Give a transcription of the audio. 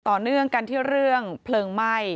ต่อเนื่องกันที่เรื่องเพลิงไหม้